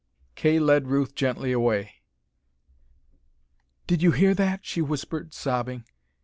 Kay led Ruth gently away. "Did you hear that?" she whispered, sobbing.